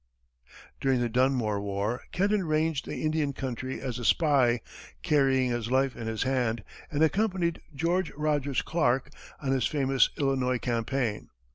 During the Dunmore war, Kenton ranged the Indian country as a spy, carrying his life in his hand, and accompanied George Rogers Clark on his famous Illinois campaign.